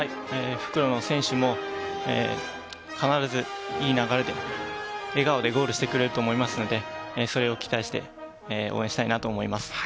復路の選手も必ず良い流れで笑顔でゴールしてくれると思いますので、それを期待して応援したいなと思います。